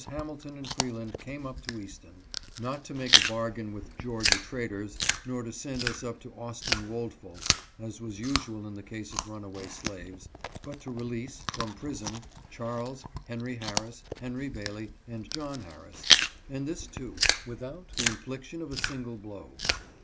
Hamilton and Freeland came up to Easton; not to make a bargain with "Georgia traders," nor to send us up to Austin Woldfolk, as was usual in the case of runaway slaves, but to release, from prison, Charles, Henry Harris, Henry Bailey and John Harris, and this, too, without the infliction of a single blow.